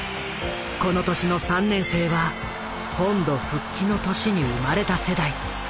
この年の３年生は本土復帰の年に生まれた世代。